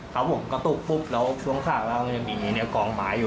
ครับผมกระตุกปุ๊บแล้วช่วงขาเรายังมีกองไม้อยู่